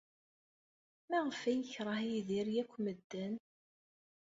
Maɣef ay yekṛeh Yidir akk medden?